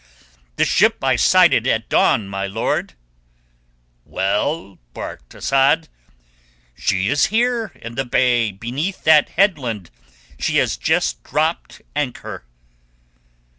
"The ship I sighted at dawn, my lord!" "Well?" barked Asad. "She is here—in the bay beneath that headland. She has just dropped anchor."